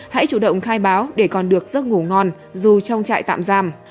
hãy chủ động khai báo để còn được giấc ngủ ngon dù trong trại tạm giam